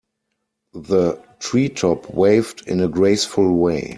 The tree top waved in a graceful way.